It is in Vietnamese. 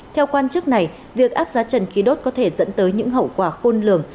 theo quan chức này việc áp giá trần khí đốt có thể dẫn tới những hậu quả khôn lường